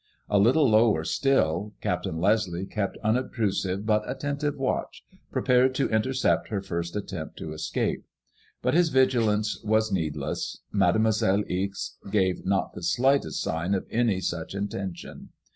A little lower still, Captain Leslie kept unobtrusive, but attentive watch, prepared to intercept her first attempt to escape. But his vigilance was needless. Made« moiselle Ixe gave not the slightest sign of any such intention.